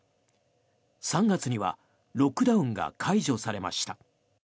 ３月にはロックダウンが解除されました。